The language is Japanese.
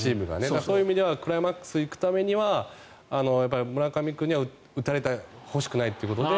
そういう意味ではクライマックス行くためには村上君には打たれてほしくないということで。